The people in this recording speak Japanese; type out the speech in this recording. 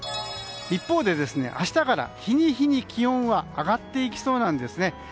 一方で明日から日に日に気温が上がっていきそうなんです。